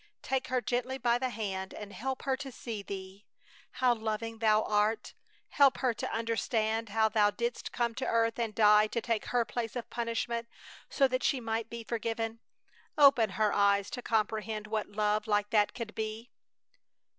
Take her gently by the hand and help her to see Thee, how loving Thou art! Help her to understand how Thou didst come to earth and die to take her place of punishment so that she might be forgiven! Open her eyes to comprehend what love like that can be!"